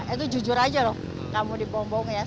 itu jujur aja loh kamu dibombong ya rp satu ratus lima puluh